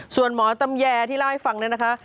ส่วนหมอตำแยที่เล่าให้ฟังเนี่ยนะคะ